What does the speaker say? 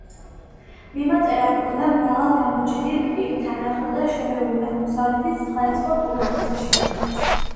მიმოწერა ჰქონდა მრავალ გამოჩენილ პირთან ახლო და შორეული აღმოსავლეთის სხვადასხვა პუნქტში.